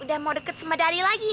udah mau dekat sama dadi lagi